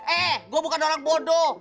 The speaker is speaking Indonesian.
eh gua buka dorong bodoh